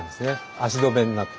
足止めになって。